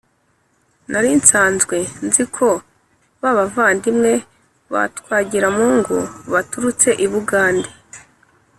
Nari nsanzwe nzi ko ba bavandimwe ba Twagiramungu baturutse i Bugande